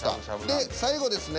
で最後ですね